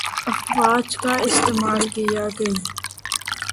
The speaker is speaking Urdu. افواج کا استعمال کیا گی